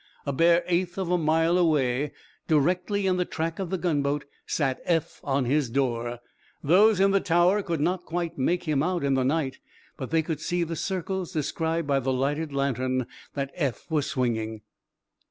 A bare eighth of a mile away, directly in the track of the gunboat, sat Eph on his door. Those in the tower could not quite make him out in the night, but they could see the circles described by the lighted lantern that Eph was swinging.